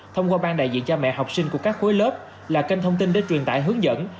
thông qua bang đại diện cha mẹ học sinh của các khối lớp là kênh thông tin để truyền tải hướng dẫn